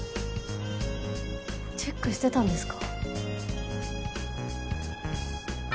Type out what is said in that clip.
チェックしてたんですか？